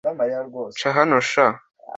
"ca hano sha,